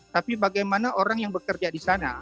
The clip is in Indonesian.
tapi bagaimana orang yang bekerja di sana